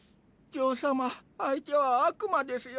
ジョー様相手は悪魔ですよ。